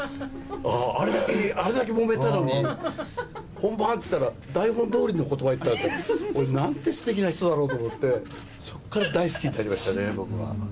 あれだけ、あれだけもめたのに、本番って言ったら、台本どおりのことば言ったって、俺、なんてすてきな人だろうと思って、そっから大好きになりましたね、僕は。